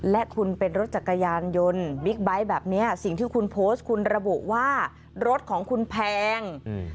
และคุณเป็นรถจักรยานยนต์บิ๊กไบท์แบบนี้สิ่งที่คุณโพสต์คุณระบุว่ารถของคุณแพง